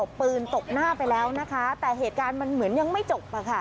เอาปืนตบหน้าไปแล้วนะคะแต่เหตุการณ์มันเหมือนยังไม่จบอะค่ะ